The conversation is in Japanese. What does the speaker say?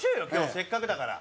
せっかくだから。